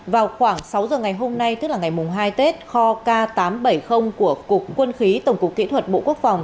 vào khoảng sáu giờ ngày hôm nay tức là ngày hai tết kho k tám trăm bảy mươi của cục quân khí tổng cục kỹ thuật bộ quốc phòng